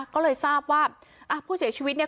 ก็เลยทราบว่าผู้เสียชีวิตเนี่ย